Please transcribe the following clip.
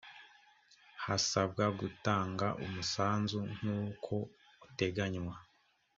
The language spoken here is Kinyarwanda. hasabwa gutanga umusanzu nk uko uteganywa